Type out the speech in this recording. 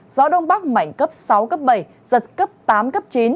gió đông bắc mạnh cấp sáu cấp bảy giật cấp tám cấp chín